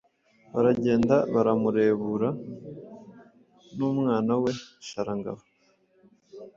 Baragenda baramurebura n'umwana we Sharangabo